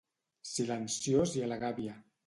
Silenciós i a la gàbia.